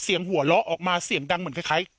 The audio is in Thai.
เสียงหัวเล่าออกมาเสียงดังเหมือนใคร